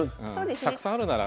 たくさんあるなら。